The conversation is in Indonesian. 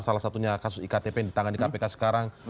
salah satunya kasus iktp yang ditangani kpk sekarang